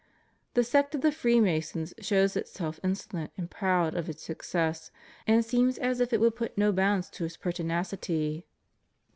The sect of the Freemasons shows itself insolent and proud of its success, and seems as if it would put no bounds to its pertinacity.